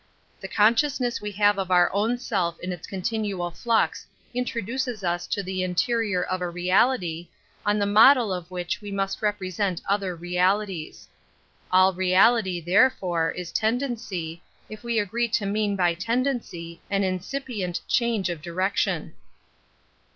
The consciousness we have of our own self in its continual flux introduces us to the interior of a reality, on the model of which we must represent other realities. All reality, therefore, is tendency, if we agree to mean hy tendency an incipient change of direction.